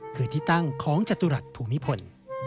คือที่ตั้งของจตุรัสภูมิพล